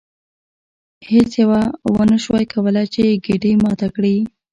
هیڅ یوه ونشوای کولی چې ګېډۍ ماته کړي.